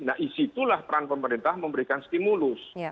nah disitulah peran pemerintah memberikan stimulus